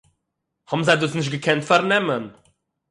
האָבן זיי דאָס נישט געקענט פאַרנעמען